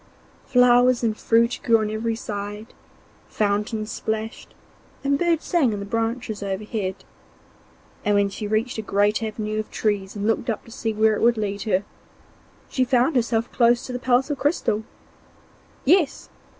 Flowers and fruit grew on every side, fountains plashed, and birds sang in the branches overhead, and when she reached a great avenue of trees and looked up to see where it would lead her, she found herself close to the palace of crystal. Yes!